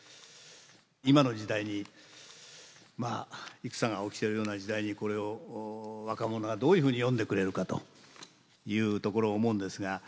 今の時代にまあ戦が起きてるような時代にこれを若者がどういうふうに読んでくれるかというところを思うんですが。